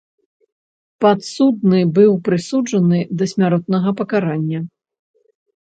Падсудны быў прысуджаны да смяротнага пакарання.